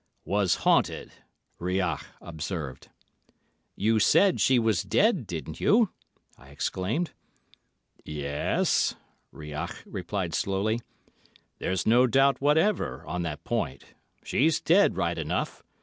"Was haunted!" Rouillac observed. "You said she was dead, didn't you?" I exclaimed. "Yes," Rouillac replied slowly, "there's no doubt whatever on that point. She's dead right enough.